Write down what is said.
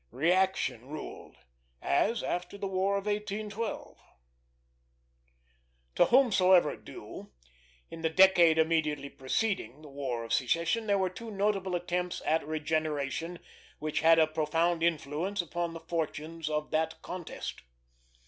Reaction ruled, as after the War of 1812. To whomsoever due, in the decade immediately preceding the War of Secession there were two notable attempts at regeneration which had a profound influence upon the fortunes of that contest.